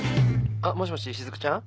あっもしもし雫ちゃん？